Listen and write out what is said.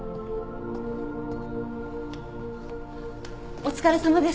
お疲れさまです。